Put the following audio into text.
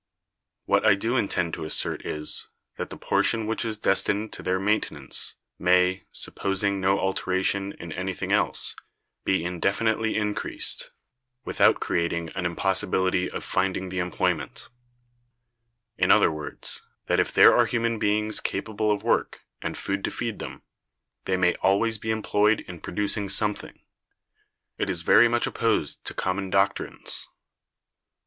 What I do intend to assert is, that the portion which is destined to their maintenance may (supposing no alteration in anything else) be indefinitely increased, without creating an impossibility of finding the employment: in other words, that if there are human beings capable of work, and food to feed them, they may always be employed in producing something. It is very much opposed to common doctrines.